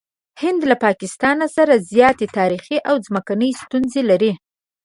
هند له پاکستان سره زیاتې تاریخي او ځمکني ستونزې لري.